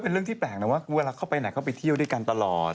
เรื่องที่แปลกนะว่าเวลาเข้าไปไหนเข้าไปเที่ยวด้วยกันตลอด